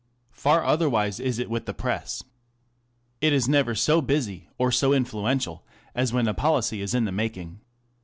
Far otherwise is it with the Press. It js never so busy or so influential as when a policy is in the making.